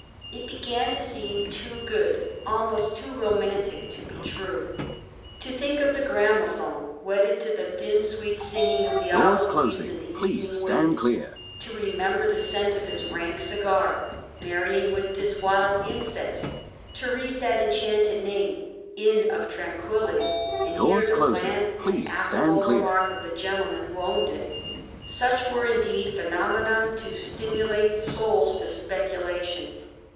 It began to seem too good, almost too romantic, to be true. To think of the gramophone wedded to the thin sweet singing of the olive leaves in the evening wind; to remember the scent of his rank cigar marrying with this wild incense; to read that enchanted name, "Inn of Tranquillity," and hear the bland and affable remark of the gentleman who owned it—such were, indeed, phenomena to stimulate souls to speculation.